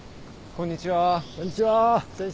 こんにちは。